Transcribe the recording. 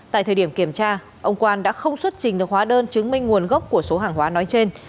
tại thời điểm kiểm tra ông quan đã không xuất trình được hóa đơn chứng minh nguồn gốc của số hàng hóa nói trên